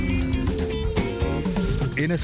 tim liputan klasik indonesia